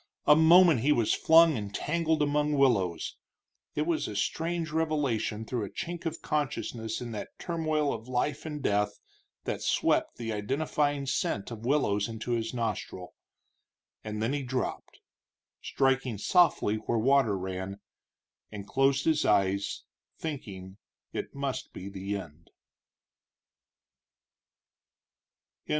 A moment he was flung and tangled among willows it was a strange revelation through a chink of consciousness in that turmoil of life and death that swept the identifying scent of willows into his nostrils and then he dropped, striking softly where water ran, and closed his eyes, thinking it must be the end.